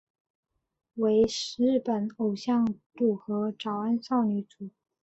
为日本偶像组合早安少女组。